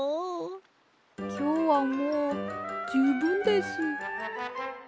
きょうはもうじゅうぶんです。